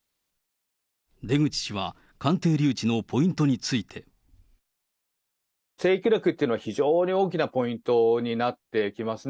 出口氏は鑑定留置のポイントについて。成育歴というのは非常に大きなポイントになってきますね。